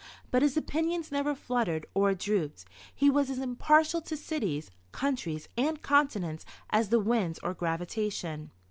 But his opinions never fluttered or drooped; he was as impartial to cities, countries and continents as the winds or gravitation.